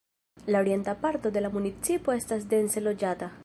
La orienta parto de la municipo estas dense loĝata.